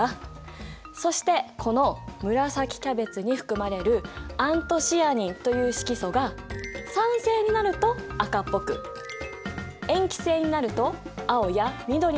そしてこの紫キャベツに含まれるアントシアニンという色素が酸性になると赤っぽく塩基性になると青や緑などに変色する性質があるんだ。